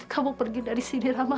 kamu pergi dari sini rama